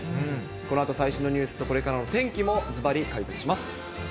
このあと最新のニュースとこれからの天気もずばり解説します。